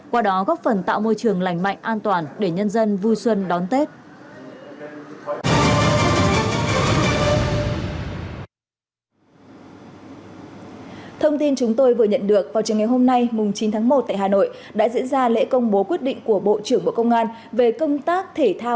qua đó góp phần tạo môi trường lành mạnh an toàn để nhân dân vui xuân đón tết